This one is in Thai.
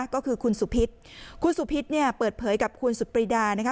ก็คือคุณสุพิษคุณสุพิษเนี่ยเปิดเผยกับคุณสุดปรีดานะคะ